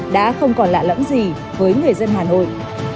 đã không còn lạ lẫm gì với người dân hà nội